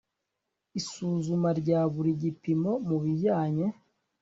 isuzuma rya buri gipimo mu bijyanye